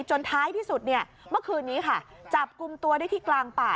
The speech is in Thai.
ท้ายที่สุดเนี่ยเมื่อคืนนี้ค่ะจับกลุ่มตัวได้ที่กลางป่า